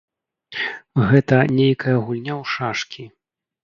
Гэта нейкая гульня ў шашкі.